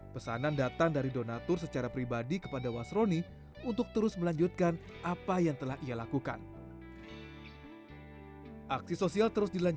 mengancam perekonomian orang orang kecil terutama